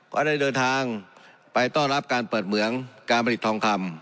ก็ได้เดินทางไปต้อนรับการเปิดเหมืองการผลิตทองคำ